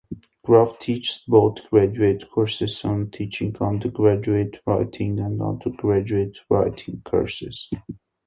Graff teaches both graduate courses on teaching undergraduate writing and undergraduate writing courses.